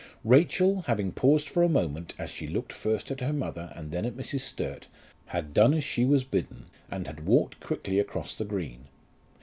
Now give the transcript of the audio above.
Rachel having paused for a moment, as she looked first at her mother and then at Mrs. Sturt, had done as she was bidden, and had walked quickly across the green.